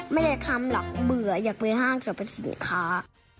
ไม่ได้ทำหรอกเบื่ออยากไปห้างจะไปซื้อค้า